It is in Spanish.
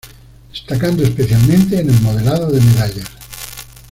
Destacando especialmente en el modelado de medallas.